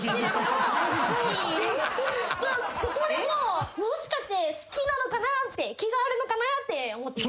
そこでもうもしかして好きなのかなって気があるのかなって思って。